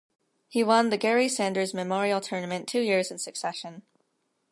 He won the Gary Sanders Memorial Tournament two years in succession.